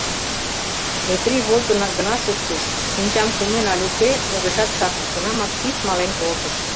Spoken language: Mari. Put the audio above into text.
Метрий возынак гына шуктыш, шинчам кумен але уке — огешат шарне, тунамак пич мален колтыш.